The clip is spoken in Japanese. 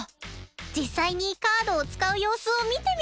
実際にカードを使う様子を見てみよう！